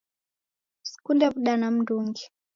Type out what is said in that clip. Sikunde w'uda na mndungi.